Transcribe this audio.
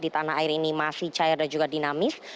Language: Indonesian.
di tanah air ini masih cair dan juga dinamis